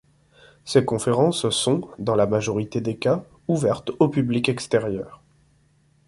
Ces conférences sont, dans la majorité des cas, ouvertes au public extérieur.